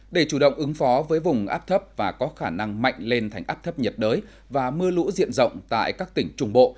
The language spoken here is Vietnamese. để chủ động ứng phó với vùng áp thấp và có khả năng mạnh lên thành áp thấp nhiệt đới và mưa lũ diện rộng tại các tỉnh trung bộ